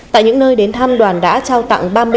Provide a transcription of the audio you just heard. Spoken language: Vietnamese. tại những nơi đến thăm đoàn đã trao tặng